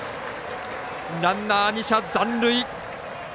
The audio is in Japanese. ランナー、２者残塁。